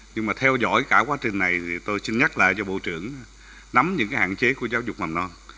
nhưng mà theo dõi cả quá trình này thì tôi xin nhắc lại cho bộ trưởng nắm những hạn chế của giáo dục mầm non